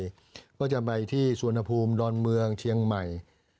ก็จะไปที่สวนภูมิดอนเมืองเชียงใหม่